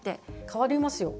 変わりますよ。